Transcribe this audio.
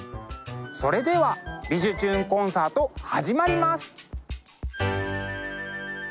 それでは「びじゅチューン！コンサート」始まります！